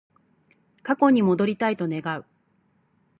過去に戻りたいと願う